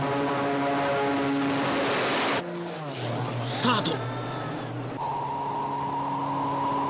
［スタート！］